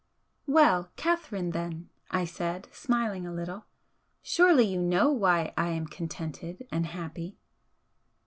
"Well, Catherine, then," I said, smiling a little "Surely you know why I am contented and happy?"